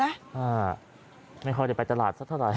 อ่าไม่ค่อยได้ไปตลาดสักเท่าไหร